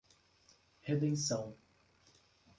Redenção